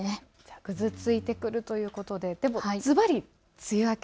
ぐずついてくるということでずばり梅雨明け